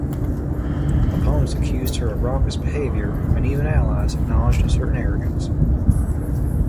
Opponents accused her of raucous behavior, while even allies acknowledged a certain arrogance.